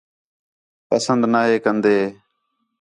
پسند نا ہے کندے